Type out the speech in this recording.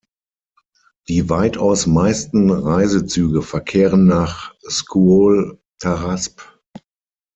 Die weitaus meisten Reisezüge verkehren nach Scuol-Tarasp.